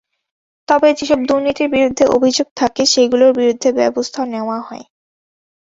তবে যেসব দুর্নীতির বিরুদ্ধে অভিযোগ থাকে, সেগুলোর বিরুদ্ধে ব্যবস্থা নেওয়া হয়।